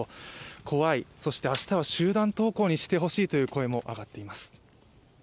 怖い、そして明日は集団登校にしてほしいという声も上がっています。